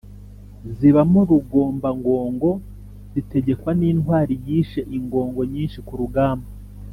Zibamo rugombangogo: Zitegekwa n’intwari yishe ingogo nyinshi ku rugamba.